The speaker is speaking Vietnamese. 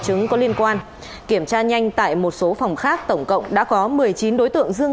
chúng tôi sẽ tiếp tục phản ánh trong các bản tin thời gian